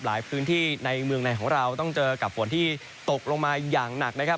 หลายพื้นที่ในเมืองในของเราต้องเจอกับฝนที่ตกลงมาอย่างหนักนะครับ